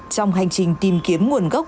trong hành trình tìm kiếm nguồn gốc